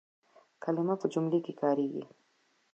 کلیمه په جمله کښي کارېږي.